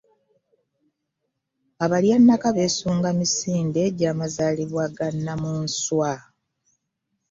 Abalyannaka beesunga misinde gy'amazaalibwa ga Nnamunswa.